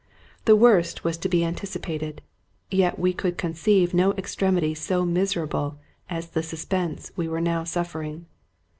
The worst was to be anticipated ; yet we could conceive no extremity so miserable as the suspense we were now suffer ing.